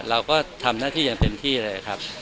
เราก็ทำหน้าที่อย่างเต็มที่เลยครับ